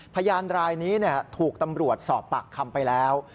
พยานรายนี้ถูกตำรวจสอบปากคำไปแล้ว